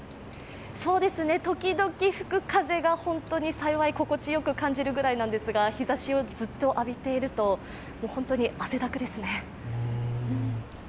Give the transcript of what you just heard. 時々吹く風が本当に幸い心地よく感じるぐらいなんですが、日ざしをずっと浴びていると本当に汗だくですね。